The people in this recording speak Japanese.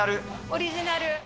オリジナル。